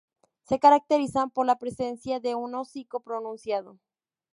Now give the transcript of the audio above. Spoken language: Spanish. Se caracterizan por la presencia de un hocico pronunciado.